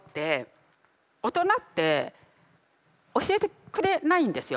大人って教えてくれないんですよ